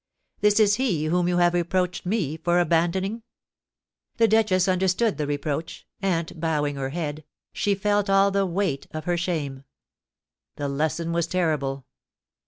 This is he whom you have reproached me for abandoning?" The duchess understood the reproach, and, bowing her head, she felt all the weight of her shame. The lesson was terrible.